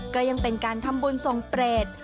ก็ยังเป็นการทำบุญส่งเปรต